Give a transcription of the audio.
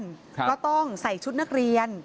เป็นนักเรียนก็ต้องใส่ชุดนักเรียน